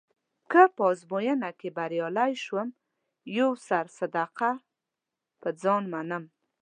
که په ازموینه کې بریالی شوم یو سر صدقه يه ځان منم.